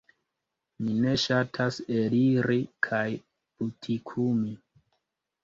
Mi ne ŝatas eliri kaj butikumi